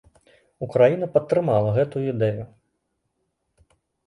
Украіна падтрымала гэтую ідэю.